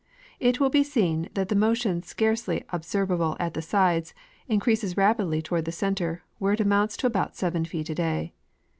It will be seen that the motion, scarcely observ able at the sides, increases rapidly toward the center, where it amounts to about 7 feet a day.